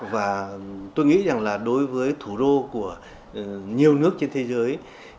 và tôi nghĩ rằng là đối với thủ đô của nhiều nước trên thế giới